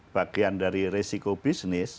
bagian dari resiko bisnis